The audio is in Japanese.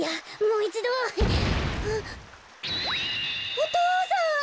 お父さん。